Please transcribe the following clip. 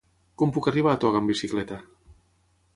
Com puc arribar a Toga amb bicicleta?